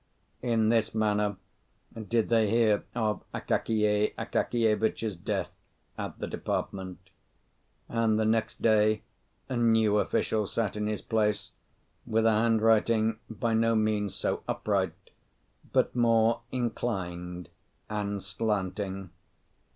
In this manner did they hear of Akakiy Akakievitch's death at the department, and the next day a new official sat in his place, with a handwriting by no means so upright, but more inclined and slanting.